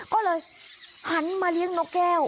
ก็เลยหันมาเลี้ยงนกแก้ว